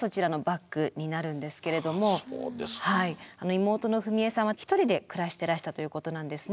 妹の文枝さんは１人で暮らしてらしたということなんですね。